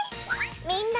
みんな。